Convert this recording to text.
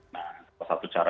nah satu caranya